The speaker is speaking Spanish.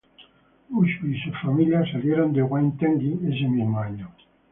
Busby y su familia salieron de Waitangi ese mismo año.